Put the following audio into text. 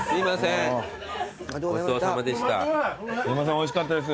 おいしかったです。